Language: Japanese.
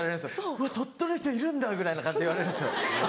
「うわ鳥取の人いるんだ」ぐらいの感じで言われるんですよ。